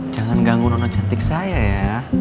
jangan ganggu nono cantik saya ya